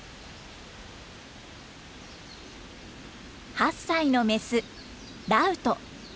８歳のメスラウト。